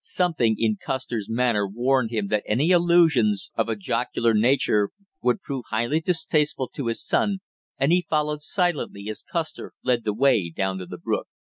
Something in Custer's manner warned him that any allusions of a jocular nature would prove highly distasteful to his son, and he followed silently as Custer led the way down to the brook.